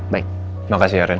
terima kasih ren